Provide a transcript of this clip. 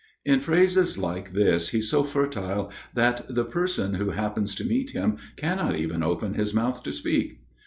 In phrases like this he's so fertile that the person who happens to meet him cannot even open his mouth to speak.